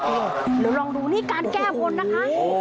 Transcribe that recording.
เราลองดูนี่การแก้บนนะคะ